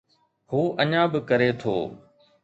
هو اڃا به ڪري ٿو.